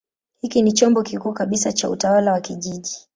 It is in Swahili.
Hiki ni chombo kikuu kabisa cha utawala wa kijiji.